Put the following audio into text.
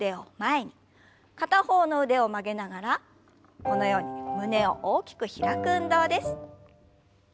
片方の腕を曲げながらこのように胸を大きく開く運動です。